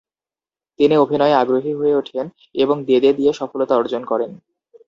তিনি অভিনয়ে আগ্রহী হয়ে ওঠেন এবং দেদে দিয়ে সফলতা অর্জন করেন।